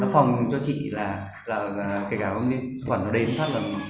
phòng cho chị là cái gáo khử khuẩn nó đến phát là